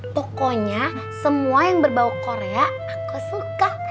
pokoknya semua yang berbau korea aku suka